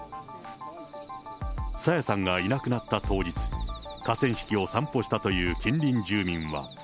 朝芽さんがいなくなった当日、河川敷を散歩したという近隣住民は。